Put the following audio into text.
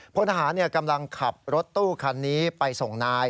พลทหารกำลังขับรถตู้คันนี้ไปส่งนาย